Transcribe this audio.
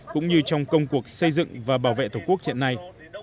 cũng như trong công cuộc xây dựng và bảo vệ tổ quốc hiện nay